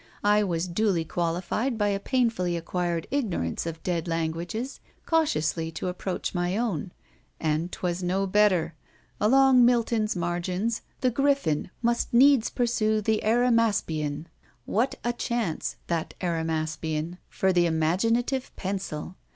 I was duly qualified by a painfully acquired ignorance of dead languages cautiously to approach my own; and 'twas no better. Along Milton's margins the Gryphon must needs pursue the Arimaspian—what a chance, that Arimaspian, for the imaginative pencil!